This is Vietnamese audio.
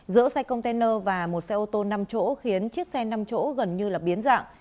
nơi này một xe ô tô nằm chỗ khiến chiếc xe nằm chỗ gần như biến dạng